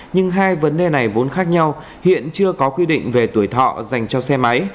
nhưng hai vấn đề này vốn khác nhau hiện chưa có quy định về tuổi thọ dành cho xe máy